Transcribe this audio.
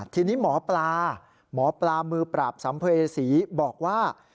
ทีนี้หมอปลามือปราบสัมเภสีบอกว่า